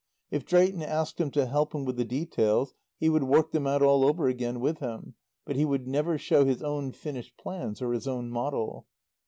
If Drayton asked him to help him with the details he would work them out all over again with him; but he would never show his own finished plans or his own model.